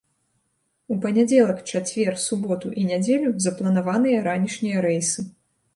У панядзелак, чацвер, суботу і нядзелю запланаваныя ранішнія рэйсы.